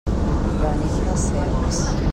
Venim de Cercs.